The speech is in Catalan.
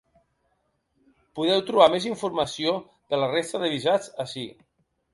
Podeu trobar més informació de la resta de visats ací.